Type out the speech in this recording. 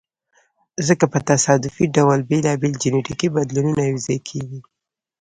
ځکه په تصادفي ډول بېلابېل جینټیکي بدلونونه یو ځای کیږي.